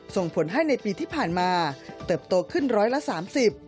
ส่งผลให้ในปีที่ผ่านมาเติบโตขึ้นร้อยละสามสิบ